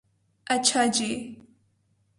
اچھا جی